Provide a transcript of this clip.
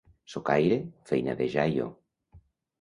Socaire, feina de jaio.